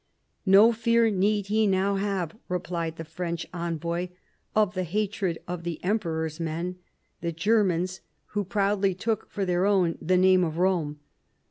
No fear need he now have, replied the French envoy, of the hatred of the Emperor's men, the Germans, who proudly took for their own the name of Eome.